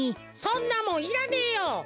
そんなもんいらねえよ。